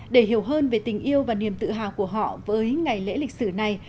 để hiểu hơn về tình yêu và niềm tự hào của họ với ngày lễ lịch sử này